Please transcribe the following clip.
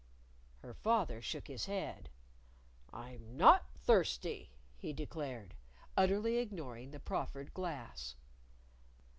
Her father shook his head. "I'm not thirsty," he declared, utterly ignoring the proffered glass.